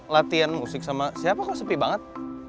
latihan musik sama siapa kok sepi banget